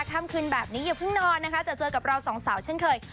ค่ำคืนแบบนี้อย่าเพิ่งนอนนะคะจะเจอกับเราสองสาวเช่นเคย